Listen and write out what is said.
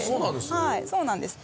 はいそうなんです。